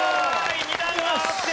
２段上がって。